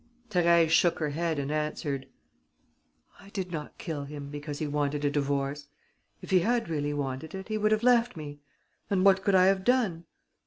Thérèse shook her head and answered: "I did not kill him because he wanted a divorce. If he had really wanted it, he would have left me; and what could I have done?